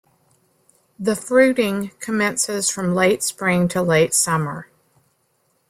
The fruiting commences from late spring to late summer.